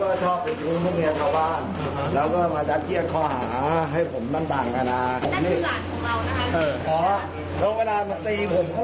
เห็นเนื้อตายตัวผมยังเกิดเป็นของทุกบางที